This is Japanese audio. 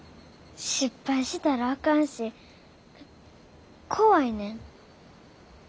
失敗したらあかんし怖いねん。